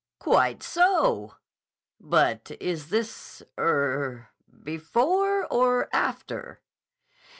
"Quite so. But is this—er—before or after?"